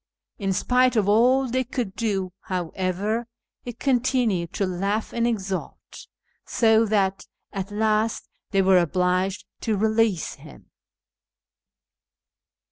In spite of all they could do, however, he con tinued to laugh and exult, so that at last they were obliged to release him.